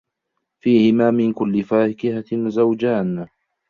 فِيهِمَا مِن كُلِّ فَاكِهَةٍ زَوْجَانِ